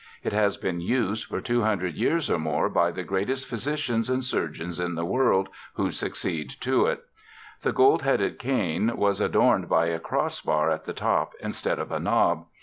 It has been used for two hundred years or more by the greatest physicians and surgeons in the world, who succeeded to it. "The Gold Headed Cane" was adorned by a cross bar at the top instead of a knob.